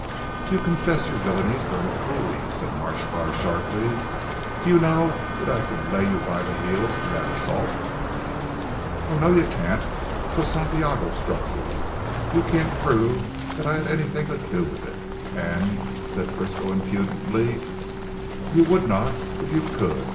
"You confess your villainies very coolly," said Marsh Carr sharply, "do you know that I can lay you by the heels for that assault." "Oh, no you can't. T'was Santiago struck you. You can't prove that I had anything to do with it. And," said Frisco impudently, "you would not if you could.